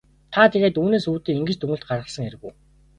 Та тэгээд үүнээс үүдэн ингэж дүгнэлт гаргасан хэрэг үү?